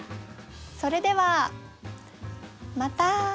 それではまた！